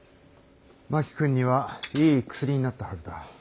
真木君にはいい薬になったはずだ。